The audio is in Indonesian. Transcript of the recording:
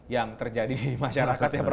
yang terjadi di masyarakatnya